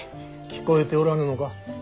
聞こえておらぬのか。